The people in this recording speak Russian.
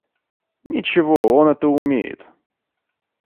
Ничего, он это умеет.